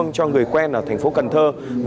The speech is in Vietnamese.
cho người quen ở thành phố cần thơ